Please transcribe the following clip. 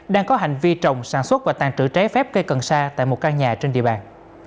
đang có hành vi trồng sản xuất và tàn trữ trái phép cây cần sa tại một căn nhà trên địa bàn